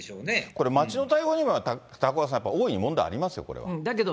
これ、町の対応にも、高岡さん、町に大いに問題ありますよ。